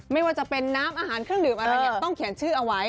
ไม่ว่าจะเป็นน้ำอาหารเครื่องดื่มอะไรเนี่ยต้องเขียนชื่อเอาไว้